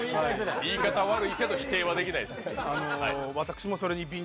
言い方悪いけど否定はできない。